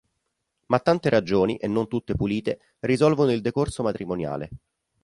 Ma tante ragioni, e non tutte pulite, risolvono il decorso matrimoniale.